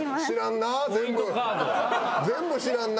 全部知らんな。